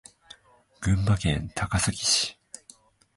群馬県高崎市